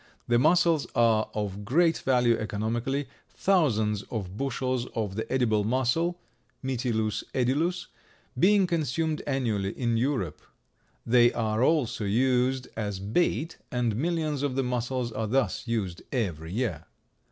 The mussels are of great value economically, thousands of bushels of the edible mussel (Mytilus edulis) being consumed annually in Europe. They are also used as bait, and millions of the mussels are thus used every year.